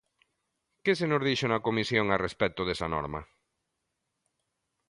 ¿Que se nos dixo na comisión a respecto desa norma?